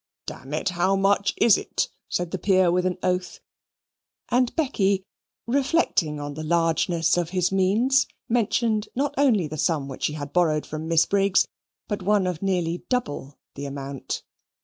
" it, how much is it?" said the Peer with an oath. And Becky, reflecting on the largeness of his means, mentioned not only the sum which she had borrowed from Miss Briggs, but one of nearly double the amount.